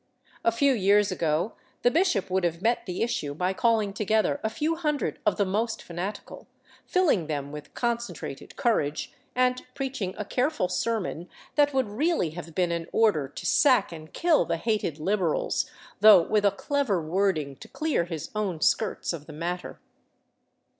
A few years ago the bishop would have met the issue by calling together a few hundred of the most fanatical, filling them with concentrated courage, and preaching a careful sermon that would really have been an order to sack and kill the hated " liberals," though with a clever wording to clear his 440 THE CITY OF THE SUN own skirts of the matter.